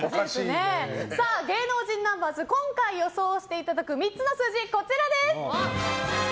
芸能人ナンバーズ今回予想していただく３つの数字はこちらです。